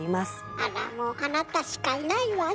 あらもうあなたしかいないわね！